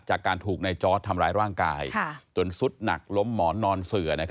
จากการถูกในจอร์ดทำร้ายร่างกายจนสุดหนักล้มหมอนนอนเสือ